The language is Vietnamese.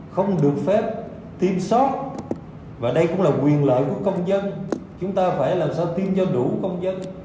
không được phép tiêm sót và đây cũng là quyền lợi của công dân chúng ta phải làm sao tiêm cho đủ công dân